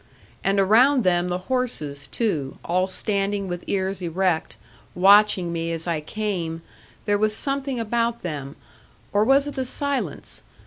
And around them the horses, too, all standing with ears erect, watching me as I came there was something about them; or was it the silence?